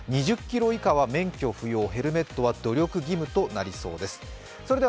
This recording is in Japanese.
２０キロ以下は免許不要、ヘルメットは努力義務となりそうです。